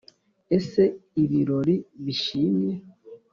ese ibirori bishimye: